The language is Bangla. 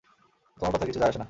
তোমার কথায় কিছু যায় আসে না।